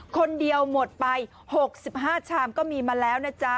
คนเดียวหมดไป๖๕ชามก็มีมาแล้วนะจ๊ะ